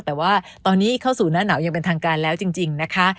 แต่ว่าตอนนี้เข้าสู่หน้าหนาวยังเป็นทางการแล้วจริงนะคะ